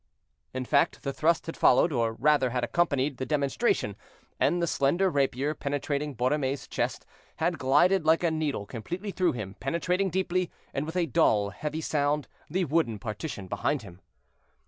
In fact, the thrust had followed, or rather had accompanied, the demonstration, and the slender rapier, penetrating Borromée's chest, had glided like a needle completely through him, penetrating deeply, and with a dull, heavy sound, the wooden partition behind him.